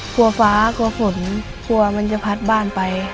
กลัวฟ้ากลัวฝนกลัวมันจะพัดบ้านไป